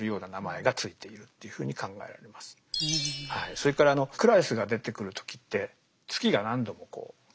それからクラリスが出てくる時って月が何度もこう強調されます。